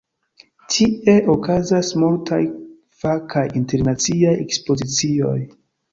Tie okazas multaj fakaj internaciaj ekspozicioj.